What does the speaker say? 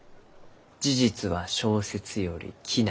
「事実は小説より奇なり」。